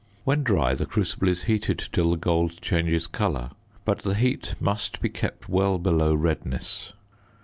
When dry, the crucible is heated till the gold changes colour, but the heat must be kept well below redness.